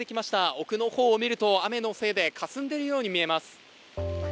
奥の方を見ると雨のせいでかすんでいるように見えます。